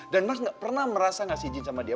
dan mas gak pernah merasa ngasih izin sama dia